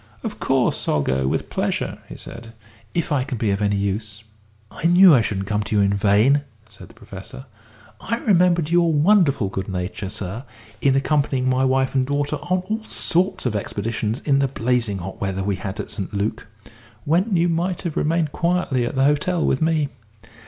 "Of course I'll go, with pleasure," he said, "if I can be of any use." "I knew I shouldn't come to you in vain," said the Professor. "I remembered your wonderful good nature, sir, in accompanying my wife and daughter on all sorts of expeditions in the blazing hot weather we had at St. Luc when you might have remained quietly at the hotel with me.